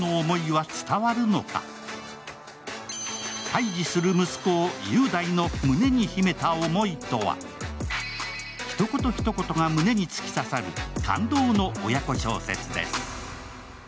対峙する息子、雄大の胸に秘めた思いとはひと言ひと言が胸に突き刺さる感動の親子小説です。